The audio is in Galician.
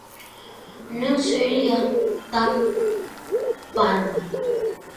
Non sería tan parvo.